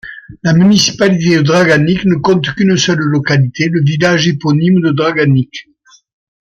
La municipalité de Draganić ne compte qu'une seule localité, le village éponyme de Draganić.